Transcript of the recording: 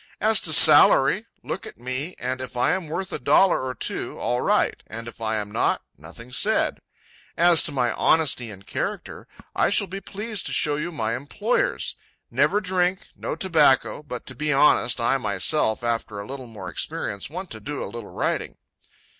"As to salary, look at me, and if I am worth a dollar or two, all right, and if I am not, nothing said. As to my honesty and character, I shall be pleased to show you my employers. Never drink, no tobacco, but to be honest, I myself, after a little more experience, want to do a little writing."